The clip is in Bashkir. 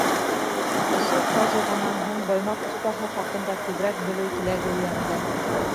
Ошо ваҡиғанан һуң Баймаҡ оҫтаһы хаҡында күберәк белеү теләге уянды.